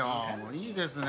いいですね